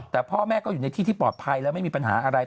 แต่พ่อแม่ก็อยู่ในที่ที่ปลอดภัยแล้วไม่มีปัญหาอะไร